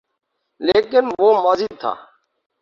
لیکن وہ ماضی تھا۔